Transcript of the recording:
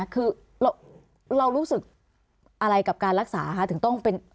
คือเรารู้สึกอะไรกับการรักษาคะถึงต้องเป็น